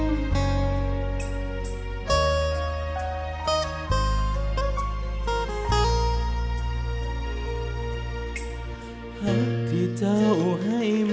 ย่อดอยู่ทุกที่ตุ๊กโตต้เวี้ย